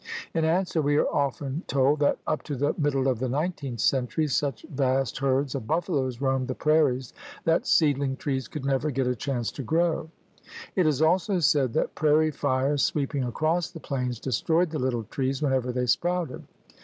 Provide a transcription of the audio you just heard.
In answer we are often told that up to the middle of the nineteenth centurv such vast THE GARMENT OF VEGETATION 109 herds of buffaloes roamed the prairies that seedh'ng trees could never get a chance to grow. It is also said that prairie fires sweeping across the plains destroyed the little trees whenever they sprouted.